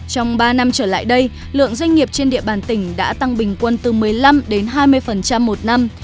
trong ba năm trở lại đây lượng doanh nghiệp trên địa bàn tỉnh đã tăng bình quân từ một mươi năm đến hai mươi một năm